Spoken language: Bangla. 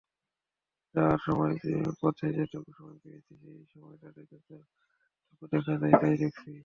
যাওয়া-আসার পথে যেটুকু সময় পেয়েছি, সেই সময়টাতে যতটুকু দেখা যায়, তা-ই দেখেছি।